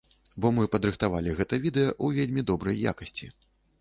Бо мы падрыхтавалі гэта відэа ў вельмі добрай якасці.